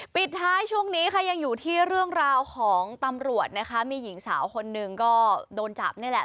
ปิดท้ายช่วงนี้ค่ะยังอยู่ที่เรื่องราวของตำรวจนะคะมีหญิงสาวคนหนึ่งก็โดนจับนี่แหละ